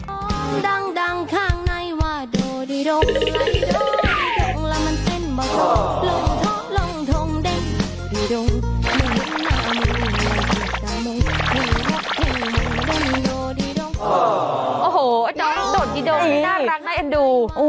โอ้โหโดดดิโดนี่น่ารักน่ะเอ็ดดู